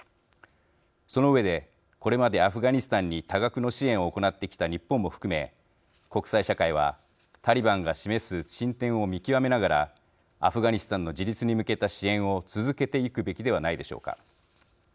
その上でこれまでアフガニスタンに多額の支援を行ってきた日本も含め国際社会はタリバンが示す進展を見極めながらアフガニスタンの自立に向けた支援を続けていくべきではないでしょうか。